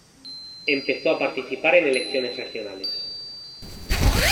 Empezó a participar en elecciones regionales.